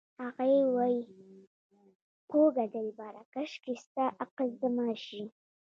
هغې وې خوږه دلبره کاشکې ستا عقل زما شي